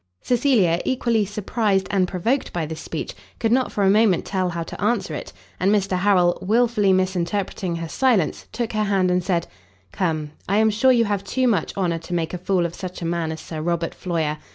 Cecilia, equally surprised and provoked by this speech, could not for a moment tell how to answer it; and Mr Harrel, wilfully misinterpreting her silence, took her hand, and said, "Come, I am sure you have too much, honour to make a fool of such a man as Sir Robert Floyer.